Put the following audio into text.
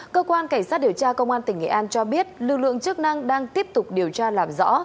cơ quan cảnh sát điều tra công an tỉnh nghệ an cho biết lực lượng chức năng đang tiếp tục điều tra làm rõ